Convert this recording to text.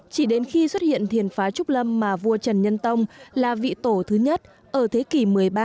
chỉ đến khi xuất hiện thiền phá trúc lâm mà vua trần nhân tông là vị tổ thứ nhất ở thế kỷ một mươi ba